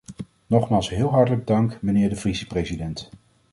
Nogmaals heel hartelijk dank, mijnheer de vicepresident.